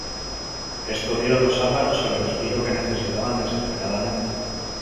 Esto dio a los ávaros el respiro que necesitaban desesperadamente.